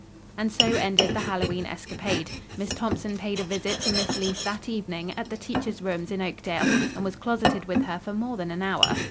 And so ended the Hallowe'en escapade. Miss Thompson paid a visit to Miss Leece that evening, at the teacher's rooms in Oakdale, and was closeted with her for more than an hour.